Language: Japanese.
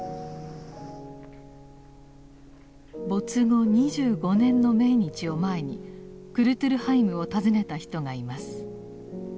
没後２５年の命日を前にクルトゥルハイムを訪ねた人がいます。